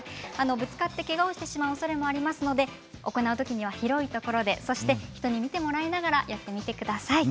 ぶつかって、けがをしてしまうおそれがありますので広いところで、そして人に見てもらいながらやってみてください。